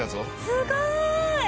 すごーい！